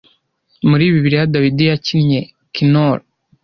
Muri Bibiliya Dawidi yakinnye Kinnor